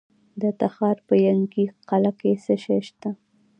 د تخار په ینګي قلعه کې څه شی شته؟